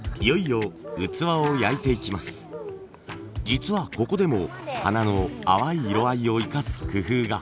実はここでも花の淡い色合いを生かす工夫が。